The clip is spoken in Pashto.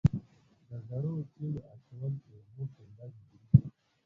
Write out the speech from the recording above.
د زړو تیلو اچول په اوبو کې بد دي؟